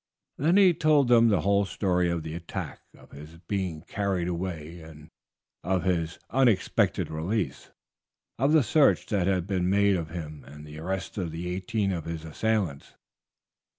Then he told them the whole story of the attack, of his being carried away, and of his unexpected release; of the search that had been made for him and the arrest of eighteen of his assailants.